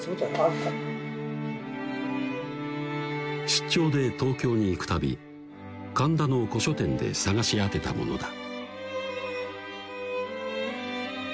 出張で東京に行く度神田の古書店で探し当てたものだ